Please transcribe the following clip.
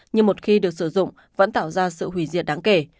nhưng một khi được sử dụng vẫn tạo ra sự hủy diệt đáng kể